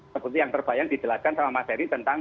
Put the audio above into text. seperti yang terbayang dijelaskan sama mas heri tentang